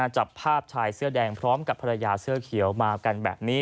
จับภาพชายเสื้อแดงพร้อมกับภรรยาเสื้อเขียวมากันแบบนี้